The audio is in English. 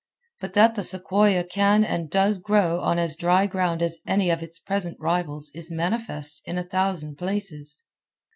But that the sequoia can and does grow on as dry ground as any of its present rivals is manifest in a thousand places.